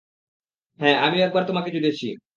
হ্যাঁ আমিও একবার তোমাকে চুদেছি।